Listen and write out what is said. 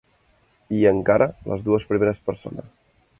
I, encara, les dues primeres persones.